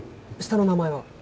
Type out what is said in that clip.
下の名前は？